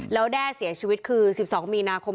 แล้วแด้เสียชีวิตคือ๑๒มีนาคม